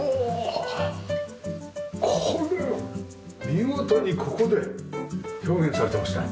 見事にここで表現されてますね。